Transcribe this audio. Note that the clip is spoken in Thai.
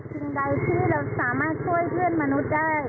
สิ่งใดที่เราสามารถช่วยเพื่อนมนุษย์ได้